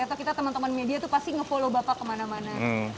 atau kita teman teman media tuh pasti nge follow bapak kemana mana